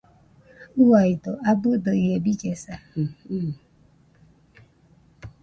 Uaido, abɨdo ie billesa.